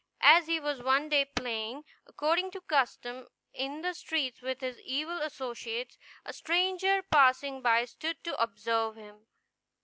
As he was one day playing, according to custom, in the street with his evil associates, a stranger passing by stood to observe him.